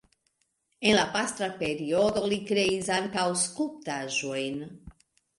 En la pastra periodo li kreis ankaŭ skulptaĵojn.